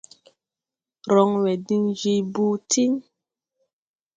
Rɔŋwɛ diŋ je boo tíŋ.